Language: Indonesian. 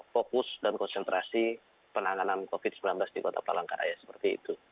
fokus dan konsentrasi penanganan covid sembilan belas di kota palangkaraya seperti itu